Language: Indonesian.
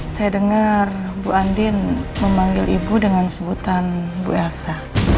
saya dengar bu andin memanggil ibu dengan sebutan bu elsa